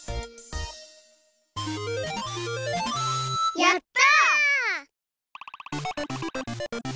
やった！